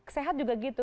sehat juga gitu